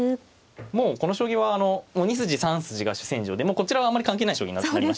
もうこの将棋は２筋３筋が主戦場でこちらはあんまり関係ない将棋になりましたね。